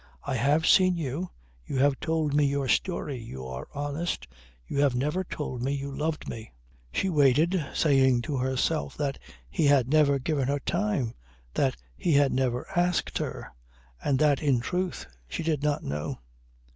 I have seen you. You have told me your story. You are honest. You have never told me you loved me." She waited, saying to herself that he had never given her time, that he had never asked her! And that, in truth, she did not know!